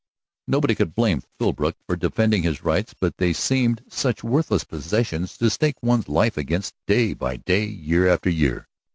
Nobody could blame Philbrook for defending his rights, but they seemed such worthless possessions to stake one's life against day by day, year after year.